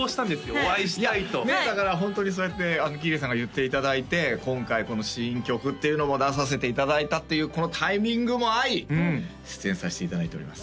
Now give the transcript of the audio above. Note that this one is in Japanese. お会いしたいとだからホントにそうやって喜入さんが言っていただいて今回この新曲っていうのも出させていただいたというこのタイミングも合い出演させていただいております